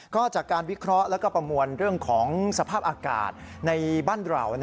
ก็จากการวิเคราะห์แล้วก็ประมวลเรื่องของสภาพอากาศในบ้านเรา